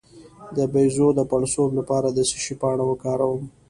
د بیضو د پړسوب لپاره د څه شي پاڼه وکاروم؟